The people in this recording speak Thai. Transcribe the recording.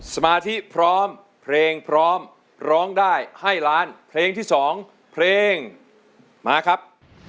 สมาธิพร้อมเพลงพร้อมร้องได้ให้ล้านเพลงที่๒เพลงมาครับ